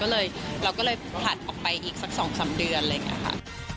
เราก็เลยผลัดออกไปอีกสัก๒๓เดือนเลยค่ะ